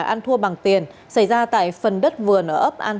ăn thua bằng tiền xảy ra tại phần đất vườn ở ấp an